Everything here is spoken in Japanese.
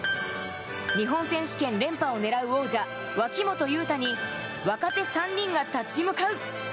日本選手権連覇を狙う王者・脇本雄太に若手３人が立ち向かう。